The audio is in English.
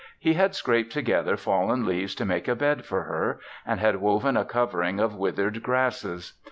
He had scraped together fallen leaves to make a bed for her and had woven a covering of withered grasses.